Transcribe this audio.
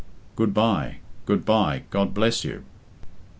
Good bye! good bye! God bless you!"